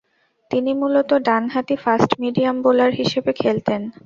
তিনি মূলতঃ ডানহাতি ফাস্ট মিডিয়াম বোলার হিসেবে খেলতেন।